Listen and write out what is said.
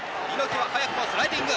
猪木は早くもスライディング。